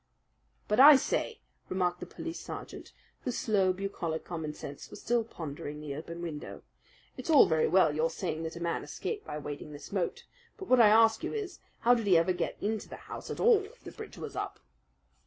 "But, I say," remarked the police sergeant, whose slow, bucolic common sense was still pondering the open window. "It's all very well your saying that a man escaped by wading this moat, but what I ask you is, how did he ever get into the house at all if the bridge was up?"